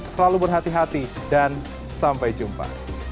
selalu berhati hati dan sampai jumpa